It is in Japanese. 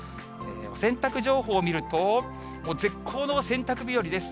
洗濯情報を見ると、絶好の洗濯日和です。